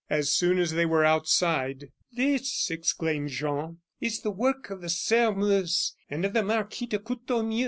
As soon as they were outside: "This," exclaimed Jean, "is the work of the Sairmeuse and the Marquis de Courtornieu!